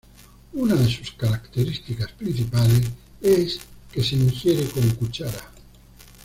Una de sus características principales es que se ingiere con cuchara.